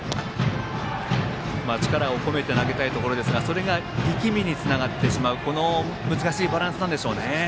力を込めて投げたいところですがそれが力みにつながってしまう難しいバランスなんでしょうね。